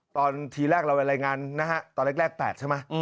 ทีแรกเราไปรายงานนะฮะตอนแรก๘ใช่ไหม